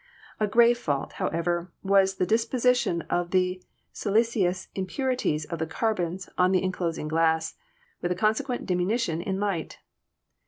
A grave fault, however, was the deposition of the silicious impurities of the carbons on the enclosing glass, with a consequent diminution in the light.